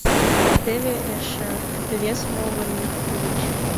Теве эше... вес могыр гыч...